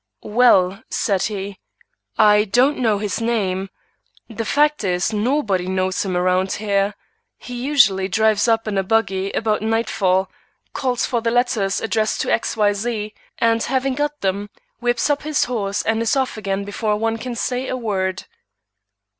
"Well," said he, "I don't know his name. The fact is nobody knows him around here. He usually drives up in a buggy about nightfall, calls for letters addressed to X. Y. Z., and having got them, whips up his horse and is off again before one can say a word."